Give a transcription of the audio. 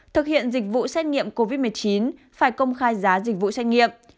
thực hiện dịch vụ xét nghiệm covid một mươi chín phải công khai giá dịch vụ xét nghiệm